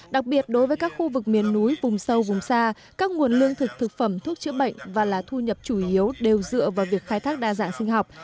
đặc biệt đối với các khu vực miền núi vùng sâu vùng xa các nguồn lương thực thực phẩm thuốc chữa bệnh và là thu nhập chủ yếu đều dựa vào việc khai thác đa dạng sinh học